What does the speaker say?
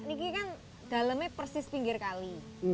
ini kan dalemnya persis pinggir kali